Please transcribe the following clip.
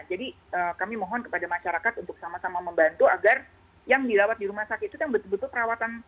jadi kami mohon kepada masyarakat untuk sama sama membantu agar yang dilawat di rumah sakit itu kan betul betul perawatan